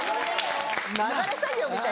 流れ作業みたい。